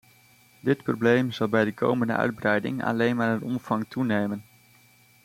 Dit probleem zal bij de komende uitbreiding alleen maar in omvang toenemen.